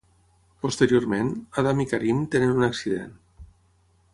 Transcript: Posteriorment, Adam i Kareem tenen un accident.